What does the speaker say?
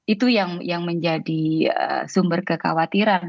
itu yang menjadi sumber kekhawatiran